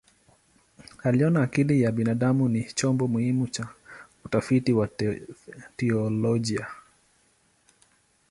Aliona akili ya binadamu ni chombo muhimu cha utafiti wa teolojia.